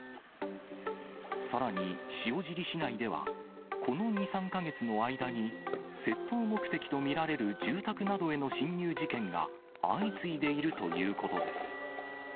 さらに、塩尻市内では、この２、３か月の間に、窃盗目的と見られる住宅などへの侵入事件が相次いでいるということです。